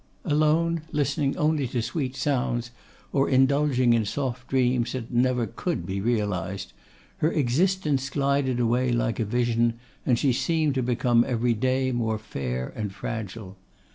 Alone, listening only to sweet sounds, or indulging in soft dreams that never could be realised, her existence glided away like a vision, and she seemed to become every day more fair and fragile.